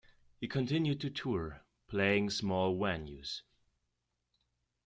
He continued to tour, playing small venues.